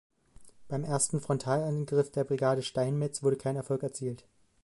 Beim ersten Frontalangriff der Brigade Steinmetz wurde kein Erfolg erzielt.